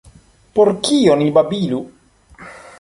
Por kio ni babilu.